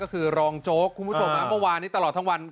ก็คือรองโจ๊กคุณผู้ชมเมื่อวานนี้ตลอดทั้งวัน